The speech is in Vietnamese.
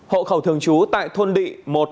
hộ khẩu thường trú tại thôn đị một mươi hai